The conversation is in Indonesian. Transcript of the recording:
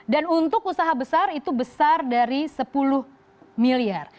dan untuk usaha besar itu besar dari sepuluh miliar